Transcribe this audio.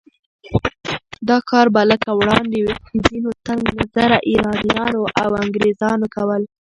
دا کار به لکه وړاندې چې ځينو تنګ نظره ایرانیانو او انګریزانو کول